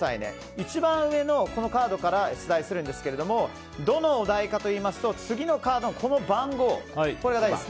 一番上のカードから出題するんですがどのお題かといいますと次のカードのこの番号です。